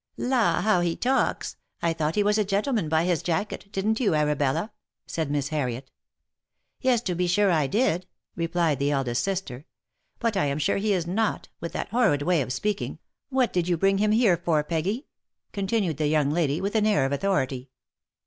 " La ! how he talks ! I thought he was a gentleman by his jacket, didn't you, Arabella?" said Miss Harriet. " Yes to be sure I did," replied the eldest sister. '* But I am sure he is not, with that horrid way of speaking, what did you bring him here for Peggy ?" continued the young lady with an air of authority.